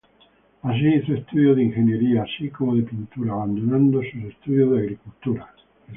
Ahí hizo estudios de ingeniería, así como de pintura, abandonando sus estudios de agricultura.